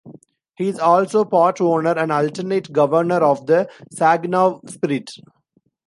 He is also part owner and alternate governor of the Saginaw Spirit.